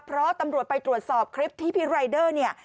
เพราะตำรวจไปตรวจสอบคลิปที่พี่รายเดอร์เนี่ย